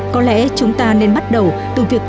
có lẽ chúng ta nên bắt đầu từ việc